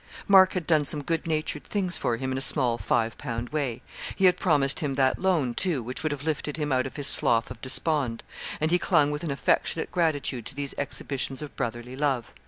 Mark had done some good natured things for him in a small five pound way; he had promised him that loan, too, which would have lifted him out of his Slough of Despond, and he clung with an affectionate gratitude to these exhibitions of brotherly love.